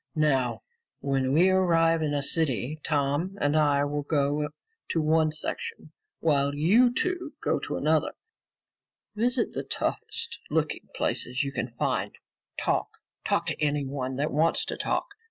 "Now, when we arrive in a city, Tom and I will go to one section, while you two go to another. Visit the toughest looking places you can find. Talk, talk to anyone that wants to talk.